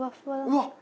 うわっ！